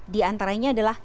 di antaranya adalah